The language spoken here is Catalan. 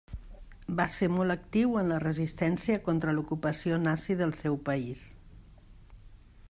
Va ser molt actiu en la resistència contra l'ocupació nazi del seu país.